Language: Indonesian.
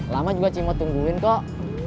lama juga cuma tungguin kok